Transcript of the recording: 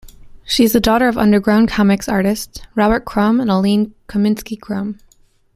She is the daughter of underground comix artists Robert Crumb and Aline Kominsky-Crumb.